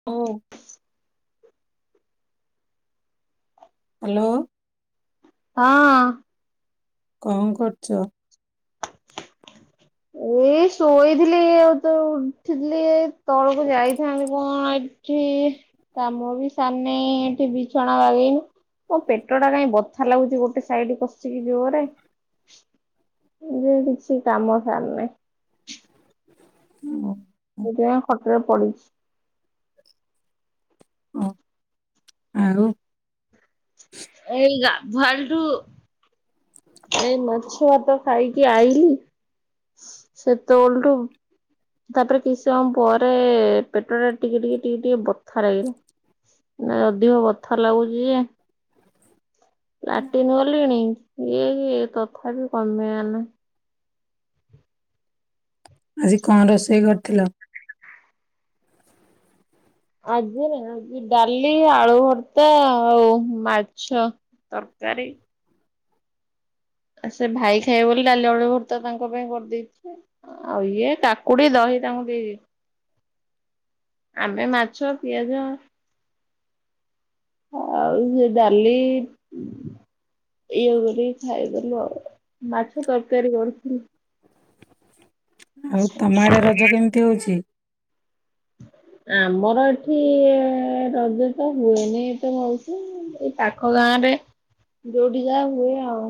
[unintelligible] Hello. ହଁ। କଣ କରୁଚ? ଏଇ ଶୋଇଥିଲି ଆଉ ତ ଉଠିଥିଲି ଏଇ ତଳକୁ ଯାଇଥାନ୍ତି କଣ ଏଇ କିଛି କାମ ବି ସାରିନି ଏଇଠି ବି ଛଣା [unintelligible] ମୋ ପେଟ ଟା କାଇଁ ବଥା ଲାଗୁଚି ଗୋଟେ ସାଇଡି କଷିକି ଜୋରେ। ଯେ କିଛି କାମ ସାରିନେଇଁ। ହୁଁ। ସେଇଥିପାଇଁ ଖଟରେ ପଡିଛି। ଓ ଆଉ? ଏଇ ଗାଧୁଆଳୁଠୁ ଏଇ ମାଛ ଭାତ ଖାଇକି ଆଇଲିି ସେତବେଳଠୁ ତାପରେ କିଛି ସମୟ ପରେ ପେଟ ଟା ଟିକେ ଟିକେ ଟିକେ ଟିକେ ବଥା ଲାଗିଲା। ନା ଅଧିକ ବଥା ଲାଗୁଚି ଯେ ଲାଟିନି ଗଲିଣି ଇଏ କି ତଥାପି କମିବାର ନାହିଁ। ଆଜି କଣ ରୋଷେଇ କରିଥିଲ? ଆଜି ନା ଆଜି ଡାଲି ଆଳୁ ଭର୍ତା ଆଉ ମାଛ। ତରକାରୀ? ଆ ସେ ଭାଇ ଖାଇବ ବୋଲି ଡାଲି ଆଳୁ ଭର୍ତା ତାଙ୍କ ପାଇଁ କରିଦେଇଛି। ଆଉ ଇଏ କାକୁଡି ଦହି ତାଙ୍କୁ ଦେଇଚି। ଆମେ ମାଛ ପିଆଜ ଆଉ ସେ ଡାଲି ଇଏ କରିକି ଖାଇଦେଲୁ ଆଉ ମାଛ ତରକାରୀ କରୁଥିଲି। ଆଉ ତମ ଆଡେ ରଜ କେମିତି ହୋଉଚି? ଆମର ଏଠି ରଜ ତ ହୁଏନି ଏତେ ହୋଉଛି ଏଇ ପା ପାଖ ଗାଁରେ ଯୋଉଠି ଯାହା ହୁଏ ଆଉ।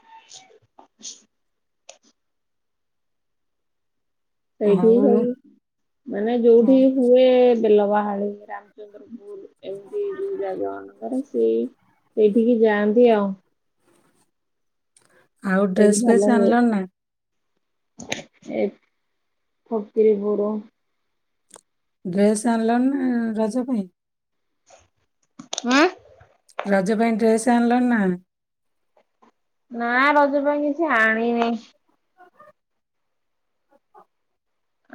[inaudible] ସେଇଠି ଆଉ ସବୁ ମାନେ ଯୋଉଠି ହୁଏ ବେଲବାହାଳି ରାମଚନ୍ଦ୍ରପୁର ଏମିତି ଯୋଉ ଜାଗାମାନଙ୍କରେ ସେଇ ସେଇଠିକି ଯାଆନ୍ତି ଆଉ। ଆଉ ଡ୍ରେସ ସେଇଠି ଫ୍ରେସ୍ ଭଲ ହୁଏ। ଆଣିଲଣି ନା? ଏ ଫକୀରିପୁର ଡ୍ରେସେ ଆଣିଲଣି ନା ରଜ ପାଇଁ? ଆଁ। ରଜ ପାଇଁ ଡ୍ରେସେ ଆଣିଲଣି ନା? ନା ରଜ ପାଇଁ କିଛି ଆଣିନେଇ।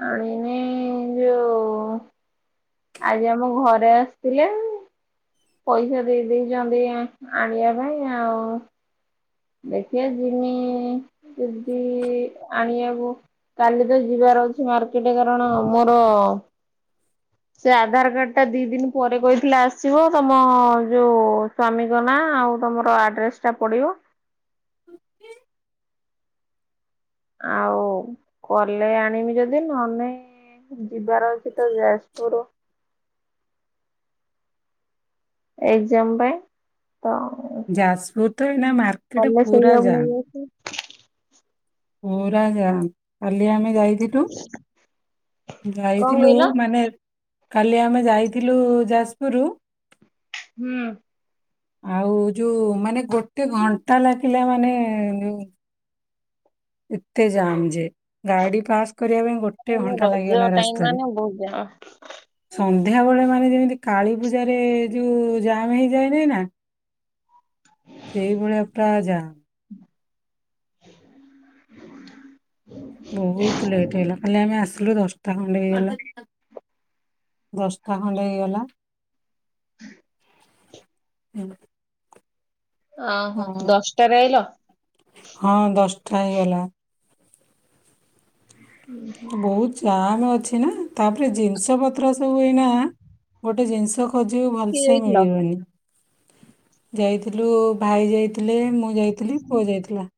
ଆଣିନେଇ ଯୋଉ ଆଜି ଆମ ଘରେ ଆସିଥିଲେ। ପଇସା ଦେଇ ଦେଇଚନ୍ତି ଆଣିବା ପାଇଁ ଆଉ। ଦେଖିବା ଯିମି ଯଦି ଆଣିବାକୁ। କାଲି ତ ଯିବାର ଅଛି ମାର୍କେଟ କାରଣ ମୋର ସେ ଆଧାର କାର୍ଡଟା ଦିଇ ଦିନ ପରେ କହିଥିଲା ଆସିବ ତମ ଯୋଉ ସ୍ୱାମୀଙ୍କ ନାଁ ଆଉ ତମର ଆଡ୍ରେସେ ଟା ପଡ଼ିବ। ଆଉ କଲେ ଆଣିମି ଯଦି ନହେନେ ନାହିଁ ଯିବାର ଅଛି ତ ଯାଜପୁରୁ। ଏଗଯାମ୍ ପାଇଁ। ତ ଉଁ ଯାଜପୁର ତ ଏଇନା ମାର୍କେଟ ଗଲେ ପୁରା ସେଇଆକୁ ଜାମ୍ ନେଇଆସିମି। ପୁରା ଜାମ୍। କାଲି ଆମେ ଯାଇଥିଲୁ କଣ ଯାଇଥିଲୁ କହିଲ? ମାନେ କାଲି ଆମେ ଯାଇଥିଲୁ ଯାଜପୁରୁ। ହୁଁ। ଆଉ ଯୋଉ ମାନେ ଗୋଟେ ଘଣ୍ଟା ଲାଗିଲା ମାନେ ଯୋଉ ଏତେ ଯାମ୍ ଯେ ଗାଡି ପାସ୍ କରିବା ପାଇଁ ଗୋ ଟେ ଘଣ୍ଟା ରଜ ଲାଗିଗଲା ଟାଇମ ରାସ୍ତାରେ। ମାନେ ବହୁତ ଜାମ ସନ୍ଧ୍ୟାବେଳେ ମାନେ ଯେମିତି କାଳୀ ପୂଜାରେ ଯୋଉ ଜାମ୍ ହେଇଯାଏ ନି ନା। ସେଇଭଳିଆ ପୁରା ଯାମ୍। [inaudible] ବହୁତ୍ ଲେଟ୍ ହେଲା କାଲି ଆମେ ଆସିଲୁ ଦଶଟା ଖଣ୍ଡେ ହେଇଗଲା। ଦଶଟା ଖଣ୍ଡେ ହେଇଗଲା ଉଁ। ଓହୋ ଦଶଟାରେ ଆଇଲ? ହଁ ଦଶଟା ହେଇଗଲା। ବହୁତ୍ ଜାମ୍ ଅଛି ନା ତାପରେ ଜିନିଷ ପତ୍ର ସବୁ ଏଇନା ଗୋଟେ ଜିନିଷ ଖୋଜିିବୁ କିଏ ଭଲସେ ଯାଇଥିଲ? ମିଳିବନି। ଯାଇଥିଲୁ ଭାଇ ଯାଇଥିଲେ ମୁଁ ଯାଇଥିଲି ପୁଅ ଯାଇଥିଲା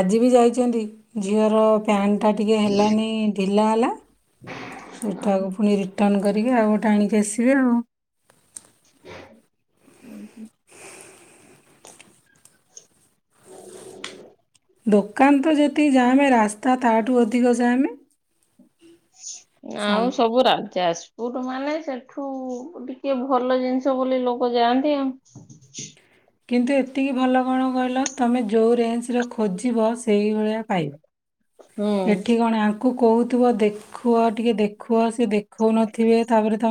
ଆଜି ବି ଯାଇଛନ୍ତି ଝିଅର ପ୍ୟାଣ୍ଟ ଟା ଟିକେ ହେଲାନି ଢିଲା ହେଲା [inaudible] ସେଇଟାକୁ ପୁଣି ରିଟନ୍ କରିବି ଆଉ ଗୋଟେ ଆଣିକି ଆସିବେ ଆଉ। ଉଁ ହୁଁ। ଦୋକାନ ତ ଯେତିକି ଯାମେ ରାସ୍ତା ତାଠୁ ଅଧିକ ଯାମେ। ଆଉ ସବୁ ରାଜା ଆସ। କଉଠୁ ମାନେ ସେଠୁ ଟିକେ ଭଲ ଜିନିଷ ବୋଲି ଲୋକ ଯାଆନ୍ତି ଆଉ। କିନ୍ତୁ ଏତିକି ଭଲ କଣ କହିଲ ତମେ ଯଉ ରେଞ୍ଚ ର ଖୋଜିବ ସେଇଭଳିଆ ପାଇବ। ହୁଁ। ଏଠି କଣ ଆଙ୍କୁ କହୁଥିବ ଦେଖୁଅ ଟିକେ ଦେଖୁଅ ସିଏ ଦେ ଖଉନଥିବେ ତାପରେ ତ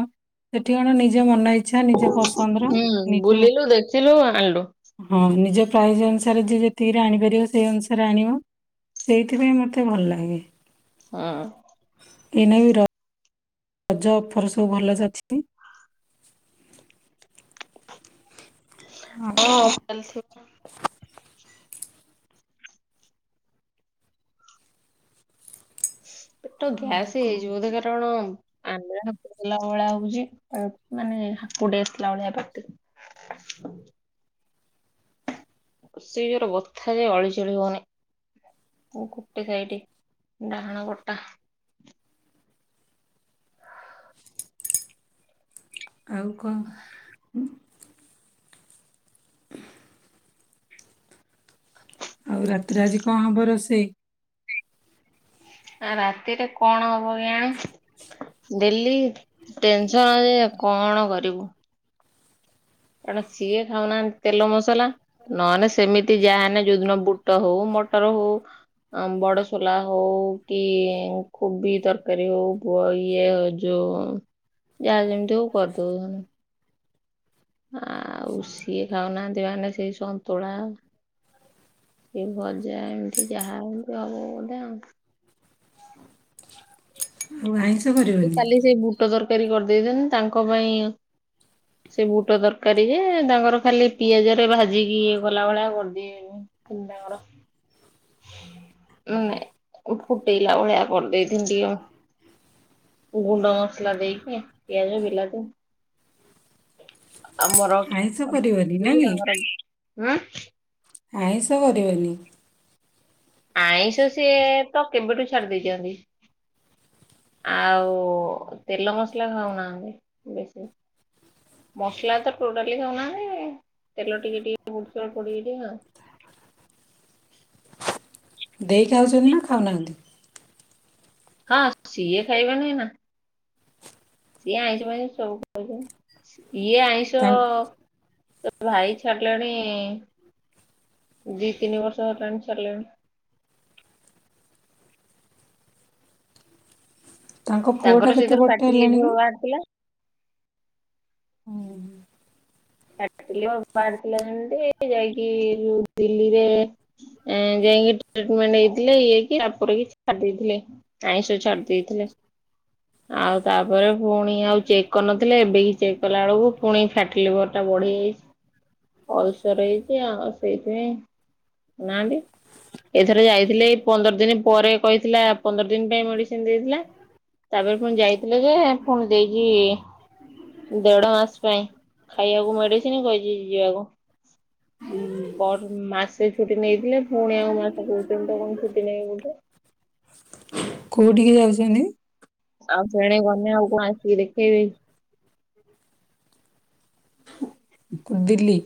ସେଠି କଣ ନିଜ ମନ ଇ ଇଚ୍ଛା ନିଜ ପସନ୍ଦର ହୁଁ ନିଜ ବୁଲିଲୁ ଦେଖିଲୁ ଆଣିଲୁ ହଁ ନିଜ ପ୍ରାଇସ୍ ଅନୁସାରେ ଯିଏ ଯେତିକିରେ ଆଣିପାରିବ ସେଇ ଅନୁସାରେ ଆଣିବ ସେଇଥିପାଇଁ ମତେ ଭଲ ଲାଗେ। ହଁ। ଏଇନେବି ର ରଜ ଅଫର୍ ସବୁ ଭଲ ଯେ ଅଛି। ଆଉ ହଁ ଚାଲିଥିବ। ପେଟ ଆଉ ଗ୍ୟାସ୍ କଣ ହେଇଯଇଛି ବୋଧେ କୁହ? କାରଣ ଆମ୍ବିଳା ହେଲା ଭଳିଆ ହଉଛି ଆ ମାନେ ହାକୁଟି ଆସିଲା ଭଳିଆ ପାଟିରୁ। କସିକି ଯୋରେ ବଥା ଯେ ଅଳି ଚଳି ହଉନି। ଏ ଗୋଟେ ସାଇଟି ଡାହାଣ ପଟା। ଆଉ କଣ ଉଁ। ଆଉ ରାତିରେ ଆଜି କଣ ହବ ରୋଷେଇ? ଆ ରାତିରେ କଣ ହବ କିଆଣି। ଡେଲି ଟେନସନ୍ ଯେ କଣ କରିବୁ। କାରଣ ସିଏ ଖାଉ ନାହାଁନ୍ତି ତେଲ ମସଲା ନ ହେନେ ସେମିତି ଯା ହେନେ ଯୋଉଦିନ ବୁଟ ହଉ ମଟର ହଉ ଅଁ ବଡସୋଲା ହଉ କି କୋବି ତରକାରୀ ହଉ ବ ଇଏ ଯ ଯଉ ଯାହା ଯେମିତି ହଉ କରିଦଉ ନନେ। ଆଉ ସିଏ ଖାଉ ନାହାଁନ୍ତି ମାନେ ସେଇ ସନ୍ତୁଳା। ଏ ଭଜା ଏମିତି ଯାହା ଏମତି ହବ ବୋଧେ ଆଉ। ଆଉ ଆଇଁଷ କରିବ କୁ କାଲି ସେଇ ବୁଟ ତରକାରୀ କରି ଦେଇଥାନ୍ତି ତାଙ୍କ ପାଇଁ ସେ ବୁଟ ତରକାରୀ ଯେ ତାଙ୍କର ଖାଲି ପିଆଜ ରେ ଭାଜିକି ଇଏ କଲା ଭଳିଆ କରିଦିଏ। [unintelligible] କର। ଉଁ ଉ ଫୁଟେଇଲା ଭଳିଆ କରିଦେଇ ଥିନି ଟିକେ। ଗୁଣ୍ଡ ମସଲା ଦେଇକି ପିଆଜ ବିଲାତି। ଆମର ଆଇଁଷ କରିବନି ନା କୋବି କୁ କି ତାଙ୍କର ଇ ଉଁ। ଆଇଁଷ କରିବନି? ଆଇଁଷ ସିଏ ତ କେବେଠୁ ଛାଡି ଦେଇ ଚନ୍ତି। ଆଉ ତେଲ ମସଲା ଖାଉ ନାହାଁନ୍ତି ବେଶୀ। ମସଲା ତ ଟୋଟାଲି ଖାଉ ନାହାଁନ୍ତି ତେଲ ଟିକେ ଟିକେ ପଡୁଚି ଅଳ୍ପ ଟିକେ ଟିକେ ଆଉ। ଦେଈ ଖାଉଛନ୍ତି ନା ଖାଉନାହାନ୍ତି? ହଁ ସିଏ ଖାଇବନି ନା। ସିଏ ଆଇଁଷ ଫାଇଁଷ ସବୁ ଖାଇବେ। ଇଏ ଆଇଁଷ ତା ତୋ ଭାଇ ଛାଡିଲେଣି ଦି ତିନି ବର୍ଷ ହେଲାଣି ଛାଡ଼ିଲେଣି। ତାଙ୍କ ତାଙ୍କର ପୁଅଟା କେତେ ସେଇଥିରୁ ବଡ ଫ୍ୟାଟି ଟେ ହେଲାଣି କି? ଲିଭର ବାହାରିଥିଲା। [unintelligible] ଯେମିତି ଯାଇକି ଦିଲ୍ଲୀରେ ଏ ଯାଇଁକି ଟ୍ରିଟମେଣ୍ଟ ହେଇଥିଲେ ଇଏ ହେଇକି ତାପରେ ବି ଛାଡିଦେଇଥିଲେ। ଆଇଁଷ ଛାଡି ଦେଇଥିଲେ। ଆଉ ତାପରେ ପୁଣି ଆଉ ଚେକ୍ କରିନଥିଲେ ଏବେ ଏଇ ଚେକ୍ କଲା ବେଳକୁ ପୁଣି ଫ୍ୟାଟିଲିଭର। ହେଟା ବଢିଯାଇଚି। [unintelligible] ହେଇଚି ଆଉ। ସେଇଥିପାଇଁ [unintelligible] ଇଏ ଥରେ ଯାଇଥିଲେ ଏଇ ପନ୍ଦର ଦିନ ପରେ କହିଥିଲା ପନ୍ଦର ଦିନ ପାଇଁ ମେଡିସିନ ଦେଇଥିଲା। ତାପରେ ପୁଣି ଯାଇଥିଲେ ଯେ ପୁଣି ଦେଇକି ଦେଢ ମାସ ପାଇଁ, ଖାଇବାକୁ ମେଡିସିନ କହିଚି ଯିବାକୁ। [unintelligible] ମାସେ ଛୁଟି ନେଇଥିଲେ ପୁଣି ଆଉ ମାସେ କହୁଛନ୍ତି ତ କଣ ଛୁଟି ନେବେ ବୋଲି। କୋଉଠିକି ଯାଉଛନ୍ତି? ଆଉ ସେଣେ ଗଲେ ଆଉ କଣ ଆସିକି ଦେଖେଇବେ। ଦିଲ୍ଲୀ।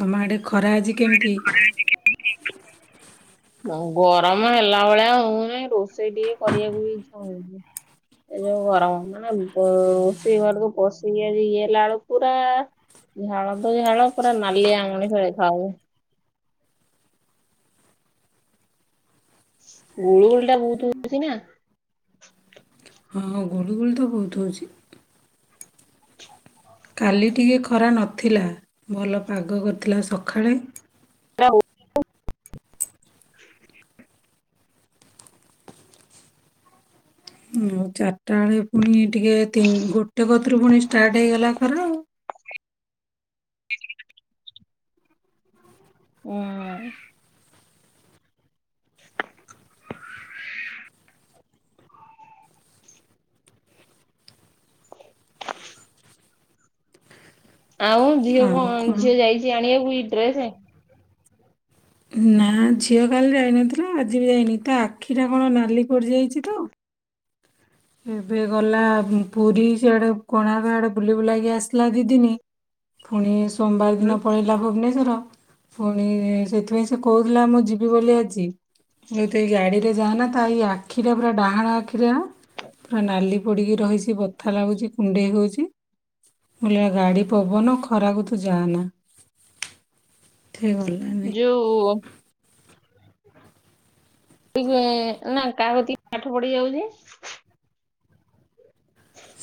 ତମଆଡେ ଖରା ଆଜି ତମଆଡେ କେମିତି? ଖରା ଆଜି କେମିତି ହେଇଚି? ଗରମ ହେଲା ଭଳିଆ ହଉନି, ରୋଷେଇ ଟିକେ କରିବାକୁ ବି ଇଛା ହଉନି। ଏ ଯୋଉ ଗରମ ମାନେ ବ ରୋଷେଇ ଘରକୁ ପସିକି ଇଏ ହେଲା ବେଳୁକୁ ପୁରା ଝାଳ ତ ଝାଳ ପୁରା ନାଲିଆ ମଣିଷ ଦେଖାଯାଉଚି। ଗୁଳୁଗୁଳି ଟା ବହୁତ ହଉଚି ନା। ହଁଁ ଗୁଳୁଗୁଳି ତ ବହୁତ ହଉଚି। କାଲି ଟିକେ ଖରା ନଥିଲା। ଭଲ ପାଗ କରିଥିଲା ସଖାଳେ। [unintelligible] [inaudible] ଆଉ ଚାରିଟା ବେଳେ ପୁଣି ଟିକେ ତିନି ଗୋଟେ କତିରୁ ପୁଣି ଷ୍ଟାର୍ଟ ହେଇଗଲା ଖରା। ଆଉ ଉଁ। [inaudible] [inaudible] ଆଉ ଝିଅ କଣ ଝିଅ ଯାଇଚି ଆଣିବାକୁ ଇ ଡ୍ରେସ? ନା ଝିଅ କାଲି ଯାଇନଥିଲା ଆଜି ବି ଯାଇନି। ତା ଆଖି ଟା କଣ ନାଲି ପଡିଯାଇଚି ତ। ଏବେ ଗଲା ପୁରୀ ସେଆଡ଼େ କୋଣାର୍କ ଆଡ଼େ ବୁଲି ବୁଲାକି ଆସିଲା ଦି ଦିନି। ପୁଣି ସୋମବାର ଦିନ ପଳେଇଲା ଭୁବନେଶ୍ଵର। ପୁଣି ସେଥିପାଇଁ ସେ କୋ ହୁଥିଲା ମୁଁ ଯିବି ବୋଲି ଆଜି। ମୁଁ ତ ଏଇ ଗାଡି ରେ ଯାଆନା। ତା ଏଇ ଆଖିଟା ପୁରା ଡାହାଣ ଆଖିରେ ପୁରା ନାଲି ପଡିକି ରହିଚି, ବଥା ଲାଗୁଚି କୁଣ୍ଡେଇ ହଉଚି। ମୁଁ କହିଲି ଆ ଗାଡ଼ି ପବନ ଖରାକୁ ତୁ ଯାଆନା। [unintelligible] ଯୋଉ [unintelligible] ନା କାହା କତିକି ପାଠ ପଢ଼ି ଯାଉଚି?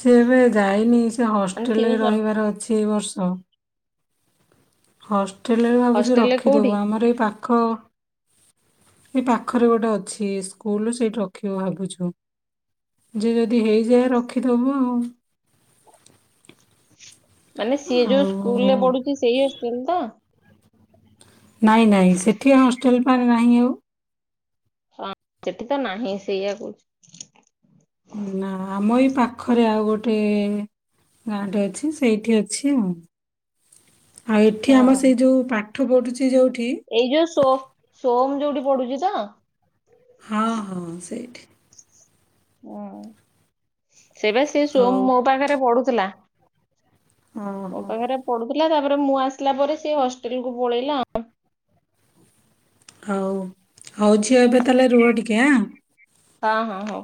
ସେ ଏବେ ଯାଇନି। ସେ ମାନେ ହଷ୍ଟେଲରେ ଟିଉସନ? ରହିବାର ଅଛି ଏଇ ବର୍ଷ। ହଷ୍ଟେଲରେ ଭାବୁଚୁ ହଷ୍ଟେଲରେ କୋଉଠି? ରଖିଦବୁ। ଆମର ଏଇ ପାଖ ଏଇ ପାଖରେ ଗୋଟେ ଅଛି ସ୍କୁଲ, ସେଇଠି ରଖିବୁ ଭାବୁଚୁ। ଯେ ଯଦି ହେଇଯାଏ ରଖିଦବୁ ଆଉ। ମାନେ ସିଏ ଯୋଉ ସ୍କୁଲ ଆଉ ରେ ପଢୁଚି ସେଇ ହଷ୍ଟେଲ ତ? ନାଇଁ ନାଇଁ ସେଠି ହଷ୍ଟେଲ ପାଇଁ ନାହିଁ ଆଉ। ହଁ ସେଠି ତ ନାହିଁ ସେଇଆ କୁ ନା ଆମ ଏଇ ପାଖରେ ଆଉ ଗୋଟେ ଗାଁଟେ ଅଛି ସେଇଠି ଅଛି ଆଉ। ଆଉ ଏଠି ଆମ ହଁ। ସେଇ ଯୋଉ ପାଠ ପଢୁଛି ଯୋଉଠି ଏଇ ଯୋଉ ସୋ ସୋମ ଯୋଉଠି ପଡୁଛି ତ? ହଁ ହଁ ସେଇଠି। ହୁଁ ସେବେ ସେ ହଉ ସୋମ ମୋ ପାଖରେ ପଢୁଥିଲା। ମୋ ଓହୋ ପାଖରେ ପଢୁଥିଲା ତାପରେ ମୁଁ ଆସିଲା ପରେ ସେ ହଷ୍ଟେଲ କୁ ପଳେଇଲା। ହଉ ହଉଛିି ଏବେ ତାହେଲେ ରୁହ ଟିକେ ଆ। ହଁ ହଁ ହଁ।